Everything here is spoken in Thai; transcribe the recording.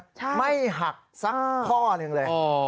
ใช่ไม่หักสักข้อหนึ่งเลย